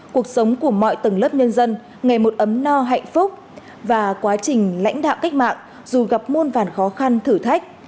cuộc sống của mọi tầng lớp nhân dân ngày một ấm no hạnh phúc và quá trình lãnh đạo cách mạng dù gặp muôn vàn khó khăn thử thách